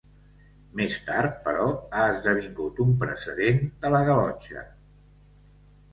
Més tard, però, ha esdevingut un precedent de la Galotxa.